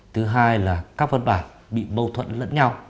thứ hai là các văn bản bị bầu thuận lẫn nhau